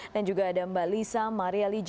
dan juga ada mbak lisa mariali javan